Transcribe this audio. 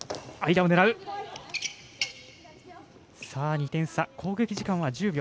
２点差、攻撃時間は１０秒。